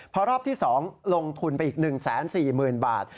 พอรอบที่๒ลงทุนไปอีก๑๔๐๐๐บาท